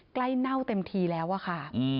ใกล้เน่าเต็มทีแล้วค่ะ